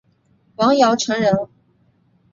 王尧臣人。